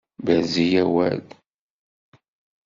Berz-iyi awal!